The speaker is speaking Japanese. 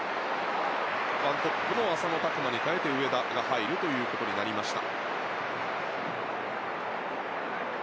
１トップの浅野拓磨に代えて上田が入ることになりました。